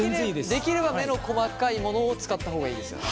できれば目の細かいものを使った方がいいですよね？